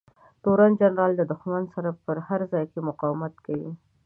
تورن جنرال د دښمن سره په هر ځای کې مقاومت کوي.